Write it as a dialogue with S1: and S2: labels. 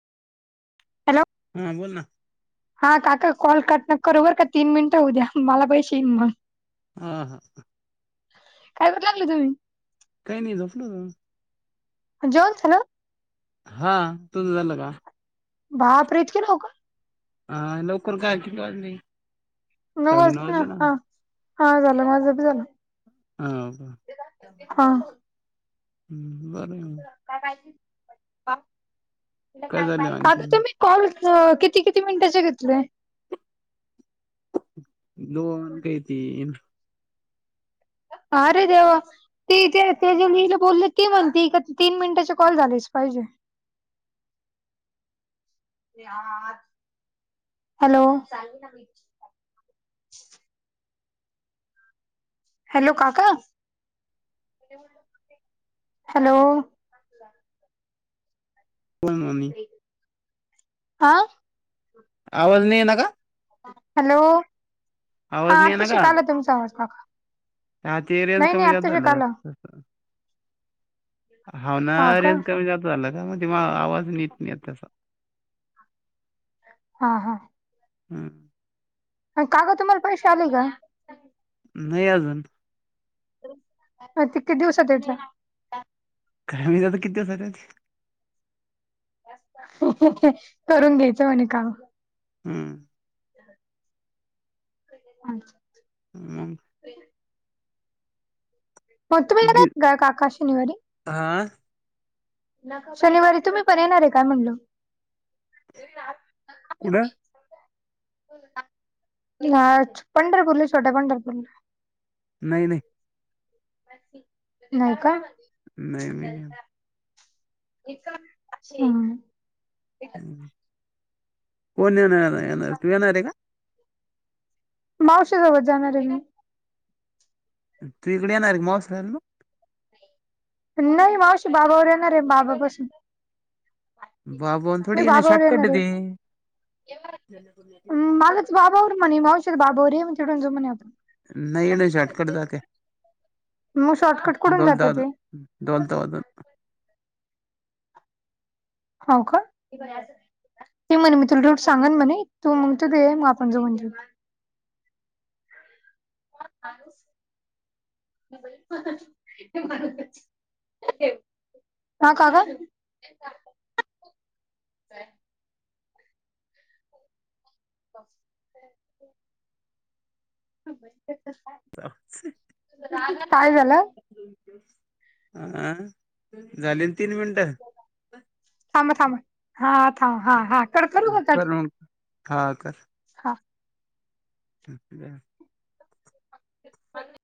S1: Hello.
S2: हा बोल ना.
S1: हा काका कॉल कट नका करु बरका तीन मिनिटं होऊ द्या मला पैसे येईन मग.
S2: हा हा.
S1: काय करू लागलं तुम्ही?
S2: काही नाही झोपलो होतो.
S1: जेवण झाल?
S2: हा. तुझ झालं का?
S1: बापरे इतक्या लवकर.
S2: हा लवकर काय कीती वाजले?
S1: नऊ
S2: साडेनऊ
S1: वाजलेना
S2: वाजले ना
S1: हा. हा झालं माझंबी झालं.
S2: ह.
S1: हा
S2: बरय म.
S1: काय पाजेत काय?
S2: झालं
S1: काका
S2: आणखीन?
S1: तुम्ही कॉल किती किती मिनिटाचे घेतले?
S2: दोन ते तीन.
S1: अरे देवा. तेथे ते जे लिहिले बोलले. ती म्हणते तीन मिनिटाचे कॉल झालेच पाहिजे. [inaudible] हॅलो. हॅलो काका. हॅलो.
S2: कोण म्हणी?
S1: अ.
S2: आवाज नाही येना का?
S1: हॅलो. हा
S2: आवाज नाही येईना का?
S1: आताशिक आला तुमचा आवाज काका.
S2: हा ते रेंज
S1: नाही नाही
S2: कमी जास्त
S1: आत्ता
S2: झाल्यावर
S1: शिकाला
S2: होतं तसं. हावना
S1: हो का
S2: रेंज कमी जादा झाला का, मग तेव्हा आवाज नीट नाही त्याचा.
S1: हा हा.
S2: हम्म.
S1: काका तुम्हाला पैसे आलेय का?
S2: नाही अजून.
S1: अ ते कीती दिवसात येता.
S2: काय माहीत आता किती दिवसात येता ते.
S1: करून घ्यायचं म्हणे काम.
S2: हम्म.
S1: हम्म.
S2: मग?
S1: मग तुम्ही येणारे काय काका शनिवारी?
S2: आ.
S1: शनिवारी तुम्ही पण येणारे काय म्हणल? [inaudible]
S2: कुठं?
S1: हाच पंढरपूरला. छोट्या पंढरपूरला.
S2: नाही नाही.
S1: नाही का?
S2: नाही मी नाही येनार.
S1: ह ह.
S2: कोण येणारे येणार. तू येणारे का?
S1: मावशी सोबत जाणारे मी.
S2: तु इकड येनारे मावशी सग म.
S1: नाही मावशी बाबाबर येणारे. बाबापशी.
S2: बाबा
S1: मी
S2: थोडी येणं
S1: बाबाबर
S2: शॉर्टकट आहे
S1: येणारे.
S2: ते
S1: मला बाबाबर म्हणे. मावशीत बाबाबर ये म्हणे. तीडून जऊ म्हणे आपण.
S2: नाही नाही. शॉर्टकट जाते.
S1: मग शॉर्टकट कुठून जात
S2: डोलता
S1: ते
S2: डोलता [unintelligible] वा
S1: हो का. ते म्हणे मी तुला रूट सांगन म्हणे तू मग तिथे ये आपण जाऊन देऊ. [unintelligible] हां काका बस [unintelligible]
S2: [unintelligible]
S1: काय झाल.
S2: अं झाले तीन मिनटं.
S1: थांबा थांबा हा थांब हा हा कड कण बोलताय.
S2: मग हां कर
S1: हां
S2: ह [inaudible]